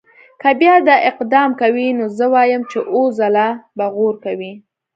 که بیا دا اقدام کوي نو زه وایم چې اووه ځله به غور کوي.